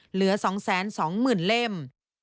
เหลือ๒๒๐๐๐เล่ม